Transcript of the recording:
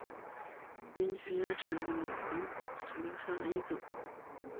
圆齿假瘤蕨为水龙骨科假瘤蕨属下的一个种。